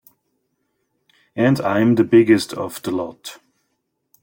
And I'm the biggest of the lot.